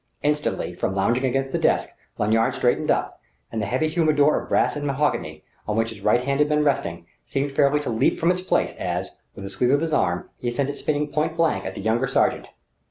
Instantly, from lounging against the desk, Lanyard straightened up: and the heavy humidor of brass and mahogany, on which his right hand had been resting, seemed fairly to leap from its place as, with a sweep of his arm, he sent it spinning point blank at the younger sergent.